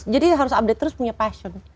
jadi harus update terus punya passion